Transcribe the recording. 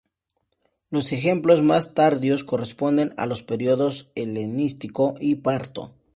Los ejemplos más tardíos corresponden a los períodos helenístico y parto.